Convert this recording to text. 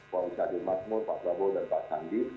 pak wisadi masmur pak prabowo dan pak sandi